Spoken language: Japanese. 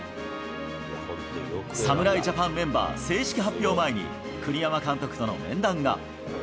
侍ジャパンメンバー正式発表前に、栗山監督との面談が。